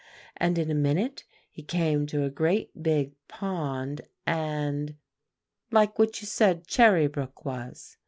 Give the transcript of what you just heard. And in a minute he came to a great big pond and" "Like what you said Cherry Brook was?"